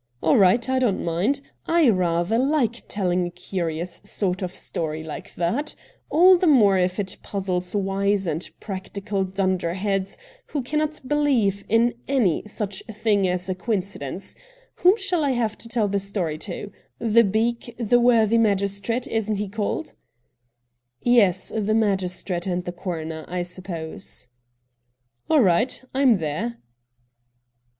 ' All right — I don't mind ; I rather like telling a curious sort of story like that — all the more if it puzzles wise and practical dunderheads who cannot believe in any such VOL. I. £ I30 RED DIAMONDS thing as a coincidence. Whom shall I have to tell the story to ? The beak — the worthy magistrate, isn't he called ?'' Yes, the magistrate and the coroner, I suppose.' ' All right ; I'm there.'